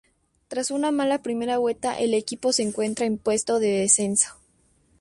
Tras una mala primera vuelta, el equipo se encuentra en puestos de descenso.